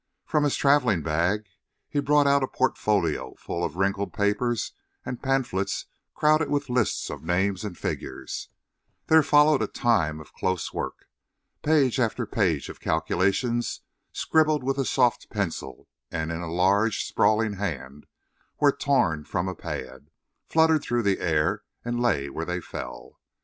From his traveling bag he brought out a portfolio full of wrinkled papers and pamphlets crowded with lists of names and figures; there followed a time of close work. Page after page of calculations scribbled with a soft pencil and in a large, sprawling hand, were torn from a pad, fluttered through the air and lay where they fell.